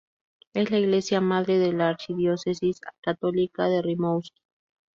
Es la iglesia madre de la archidiócesis católica de Rimouski.